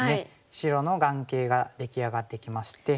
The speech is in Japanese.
白の眼形が出来上がってきまして。